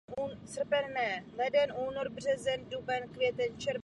Uprchlíků jsou tisíce.